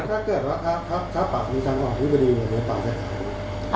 ถ้าเกิดว่าค่ะค่ะค่ะปากมีทางออกที่บริเวณบริเวณปากใช้ขาย